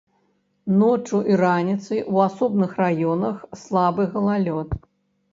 Ноччу і раніцай у асобных раёнах слабы галалёд.